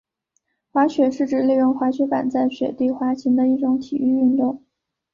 滑雪是指利用滑雪板在雪地滑行的一种体育运动。